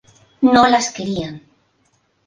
No las querían.